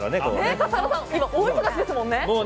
笠原さん、今大忙しですもんね。